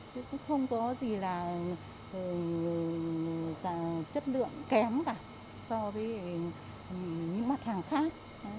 chứ cũng không có gì là chất lượng kém cả so với những mặt hàng khác